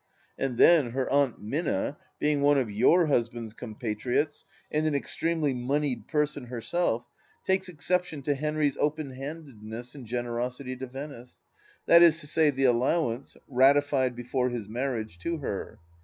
... And then her Aunt Minna, being one of your husband's compatriots and an extremely moneyed person herself — ^takes exception to Henry's open handedness and generosity to Venice ; that is to say, the allowance, ratified before his marriage, to her.